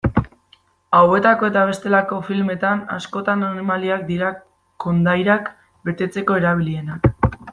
Hauetako eta bestelako filmetan, askotan animaliak dira kondairak betetzeko erabilienak.